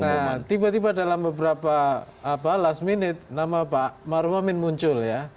nah tiba tiba dalam beberapa last minute nama pak maruf amin muncul ya